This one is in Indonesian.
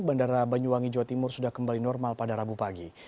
bandara banyuwangi jawa timur sudah kembali normal pada rabu pagi